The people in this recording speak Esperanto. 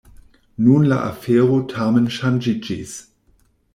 Nun la afero tamen ŝanĝiĝis.